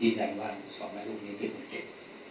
ยินดันวันส่วนมารูปนี้เป็นคนเก็บ